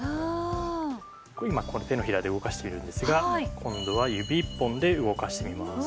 今手のひらで動かしているんですが今度は指１本で動かしてみます。